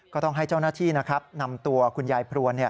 ก็ต้องให้เจ้าหน้าที่นำตัวคุณยายพรัว